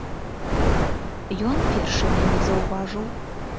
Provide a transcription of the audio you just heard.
Ён першы мяне заўважыў.